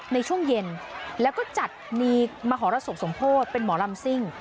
ในช่วงเย็นแล้วก็จัดมีมหรสบสมโพธิเป็นหมอลำซิ่ง